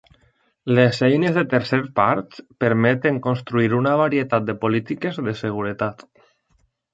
Les eines de tercer parts permeten construir una varietat de polítiques de seguretat.